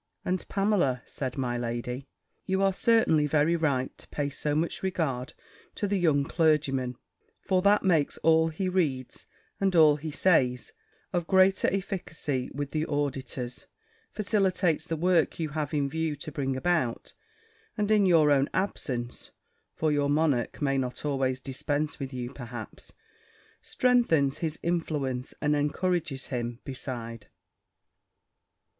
"And, Pamela," said my lady, "you are certainly very right to pay so much regard to the young clergyman; for that makes all he reads, and all he says, of greater efficacy with the auditors, facilitates the work you have in view to bring about, and in your own absence (for your monarch may not always dispense with you, perhaps) strengthens his influence, and encourages him, beside."